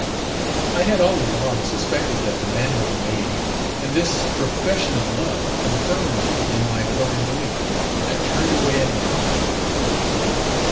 I had all along suspected that the man was a knave, and this profession of love confirmed me in my former belief, and I turned away and left him.